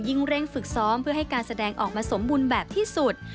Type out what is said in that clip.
เร่งฝึกซ้อมเพื่อให้การแสดงออกมาสมบูรณ์แบบที่สุด